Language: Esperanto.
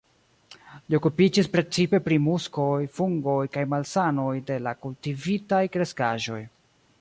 Li okupiĝis precipe pri muskoj, fungoj kaj malsanoj de la kultivitaj kreskaĵoj.